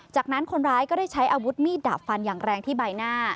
จากนั้นคนร้ายก็ได้ใช้อาวุธมีดดาบฟันอย่างแรงที่ใบหน้า